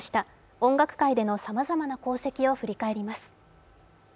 音楽界でのさまざまな功績を振り返ります。